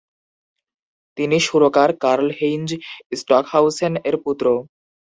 তিনি সুরকার কার্লহেইঞ্জ স্টকহাউসেন এর পুত্র।